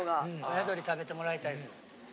親鶏食べてもらいたいです！